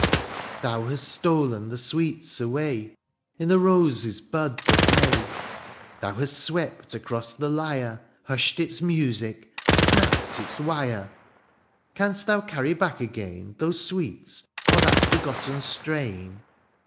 '^ Thou hast stolen the sweets away, '^ In the rose^s bud that lay ;^' Thou hast swept across the Ijnre, ^^ Hushed its music, snapt its wire ; 42 DIONYSIUS, '^ Canst thou cany back again '^ Those sweets or that forgotten strain